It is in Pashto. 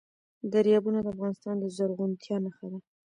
دریابونه د افغانستان د زرغونتیا نښه ده.